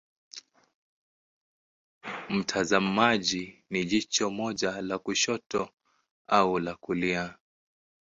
Mtazamaji ni jicho moja la kushoto au la kulia.